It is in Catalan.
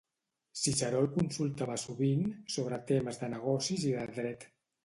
Ciceró el consultava sovint sobre temes de negocis i de dret.